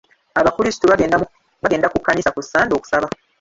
Abakulisitu bagenda ku kkanisa ku sande okusaba.